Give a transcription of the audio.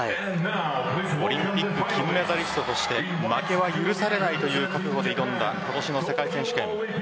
オリンピック金メダリストとして負けは許されないという覚悟で挑んだ今年の世界選手権。